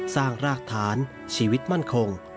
สร้างรากฐานชีวิตมั่นคง